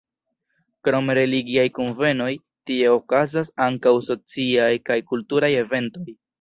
Krom religiaj kunvenoj, tie okazas ankaŭ sociaj kaj kulturaj eventoj.